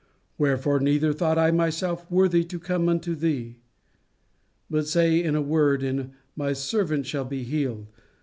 Wherefore, neither thought I myself worthy to come unto thee; but say in a word, and my servant shall be healed.